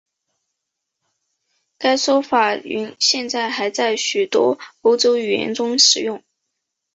该说法现在还在许多欧洲语言中使用。